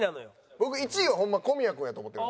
僕１位はホンマ小宮君やと思ってるんですよ。